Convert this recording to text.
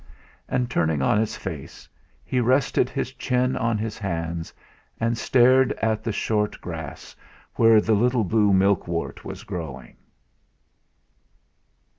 And, turning on his face, he rested his chin on his hands, and stared at the short grass where the little blue milkwort was growing....